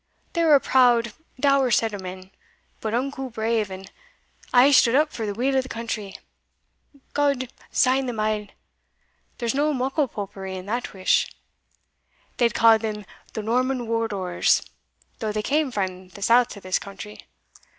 They were a proud dour set o' men, but unco brave, and aye stood up for the weel o' the country, God sain them a' there's no muckle popery in that wish. They ca'd them the Norman Wardours, though they cam frae the south to this country.